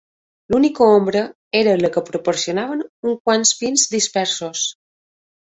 L'única ombra era la que proporcionaven uns quants pins dispersos.